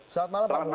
selamat malam pak muba